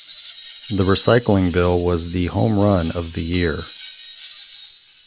The recycling bill was the home run of the year.